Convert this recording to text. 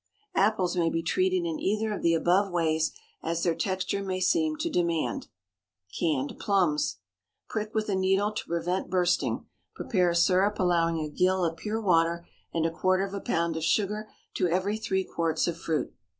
Apples may be treated in either of the above ways as their texture may seem to demand. CANNED PLUMS. ✠ Prick with a needle to prevent bursting; prepare a syrup allowing a gill of pure water and a quarter of a pound of sugar to every three quarts of fruit.